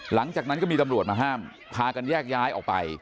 หลังจากนั้นก็มีตำรวจมาห้ามพากันแยกย้ายออกไป